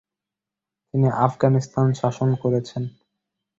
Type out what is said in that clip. তিনি আফগানিস্তান শাসন করেছেন।